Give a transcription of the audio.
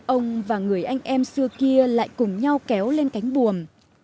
ông và người anh em xưa kia lại cùng nhau kéo lên cánh bùm